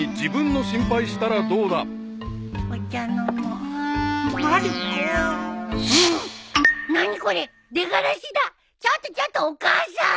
ちょっとちょっとお母さん！